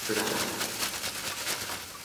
“Thank you for rousing me,” he replied.